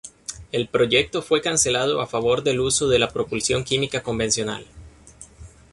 El proyecto fue cancelado a favor del uso de propulsión química convencional.